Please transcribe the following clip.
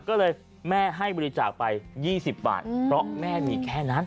ก็เลยแม่ให้บริจาคไป๒๐บาทเพราะแม่มีแค่นั้น